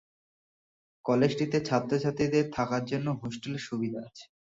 কলেজটিতে ছাত্র-ছাত্রীদের থাকার জন্য হোস্টেল সুবিধা আছে।